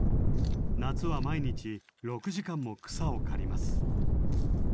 夏は毎日６時間も草を刈ります。